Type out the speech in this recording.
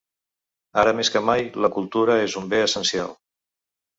Ara més que mai, la cultura és un bé essencial.